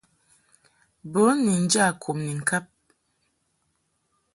Bun ni nja kum ni ŋkab.